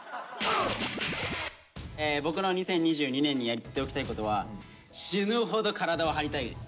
僕の「２０２２年にやっておきたいこと」は死ぬほど体を張りたいです。